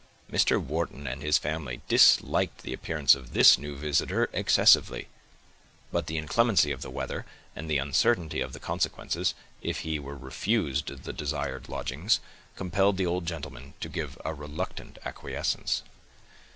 Mr. Wharton and his family disliked the appearance of this new visitor excessively; but the inclemency of the weather, and the uncertainty of the consequences, if he were refused the desired lodgings, compelled the old gentleman to give a reluctant acquiescence.